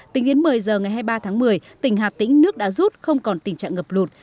tính đến một mươi giờ ngày hai mươi ba tháng một mươi tỉnh hà tĩnh nước đã rút không còn tình trạng ngập lụt